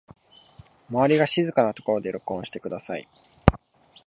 周りが静かなところで録音してください